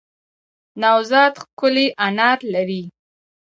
نوزاد ښکلی انار لری